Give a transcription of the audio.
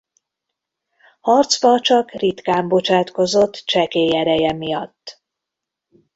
Harcba csak ritkán bocsátkozott csekély ereje miatt.